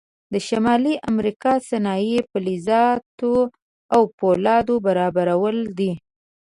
د شمالي امریکا صنایع فلزاتو او فولادو برابرول دي.